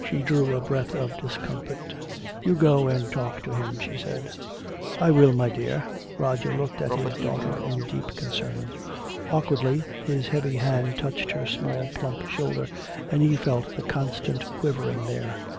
She drew a breath of discomfort. "You go and talk to him," she said. "I will, my dear." Roger looked at his daughter in deep concern. Awkwardly his heavy hand touched her small plump shoulder, and he felt the constant quivering there.